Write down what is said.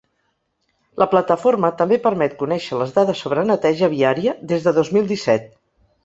La plataforma també permet conèixer les dades sobre neteja viària des de dos mil disset.